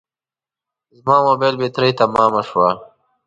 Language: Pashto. زما موبایل بټري تمامه شوه